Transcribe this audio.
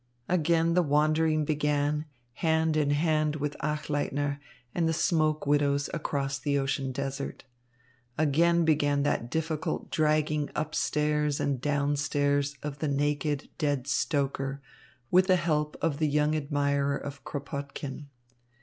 Again the wandering began, hand in hand with Achleitner and the smoke widows across the ocean desert. Again began that difficult dragging up stairs and down stairs of the naked, dead stoker, with the help of the young admirer of Kropotkin.